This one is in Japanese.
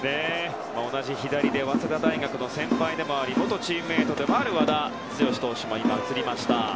同じ左で早稲田大学の先輩でもあり元チームメートでもある和田毅投手が映りました。